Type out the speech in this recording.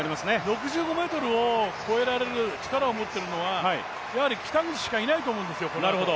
６５ｍを越えられる力を持っているのはやはり北口しかいないと思うんですよ。